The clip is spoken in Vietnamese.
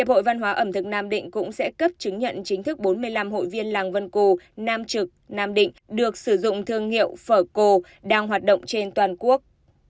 hội văn hóa ẩm thực nam định cũng sẽ cấp chứng nhận chính thức bốn mươi năm hội viên làng vân cù nam trực nam định được sử dụng thương hiệu phở cô đang hoạt động trên toàn quốc